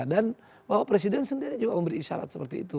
dan bapak presiden sendiri juga memberi isyarat seperti itu